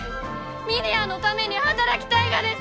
峰屋のために働きたいがです！